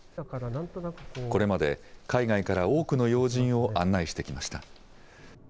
これまで海外からの多くの要人を案内してきました。